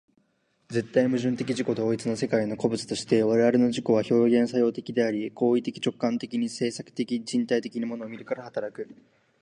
絶対矛盾的自己同一の世界の個物として、我々の自己は表現作用的であり、行為的直観的に制作的身体的に物を見るから働く。